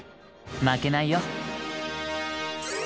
負けないよ。